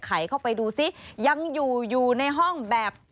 เข้าไปดูซิยังอยู่อยู่ในห้องแบบ